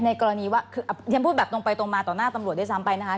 ในกรณีว่ายังพูดแบบตรงไปตรงมาต่อหน้าตำรวจได้ซ้ำไปนะคะ